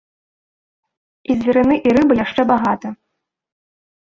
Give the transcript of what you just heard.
І зверыны і рыбы яшчэ багата.